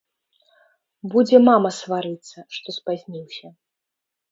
Будзе мама сварыцца, што спазніўся.